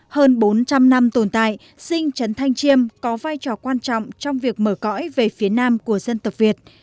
hơn bốn trăm linh năm tồn tại sinh trần thanh chiêm có vai trò quan trọng trong việc mở cõi về phía nam của dân tộc việt